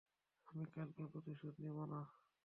আমি কালকের প্রতিশোধ নিবো না?